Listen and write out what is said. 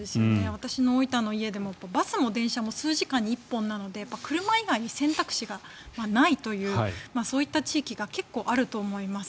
私の大分の家でもバスも電車も数時間に１本なので車以外に選択肢がないというそういった地域が結構あると思います。